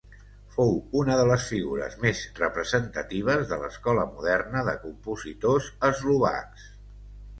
Fou una de les figures més representatives de l'escola moderna de compositors eslovacs.